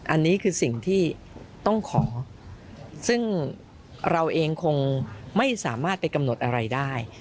อันนี้คือสิ่งที่ต้องขอซึ่งเราเองคงไม่สามารถไปกำหนดอะไรได้